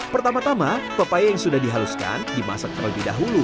pertama tama papaya yang sudah dihaluskan dimasakkan lebih dahulu